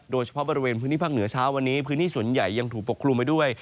โดยเฉพาะบริเวณพื้นที่ภาคเหนือเช้าวันนี้พื้นที่ส่วนใหญ่ยังถูกปกคลุมไปด้วย